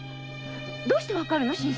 どうしてわかるの？